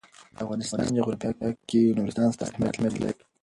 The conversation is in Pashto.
د افغانستان جغرافیه کې نورستان ستر اهمیت لري.